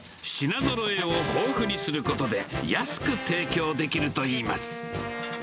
品ぞろえを豊富にすることで、安く提供できるといいます。